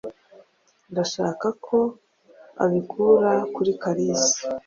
Ndashaka ko ubikura kuri Kalisa.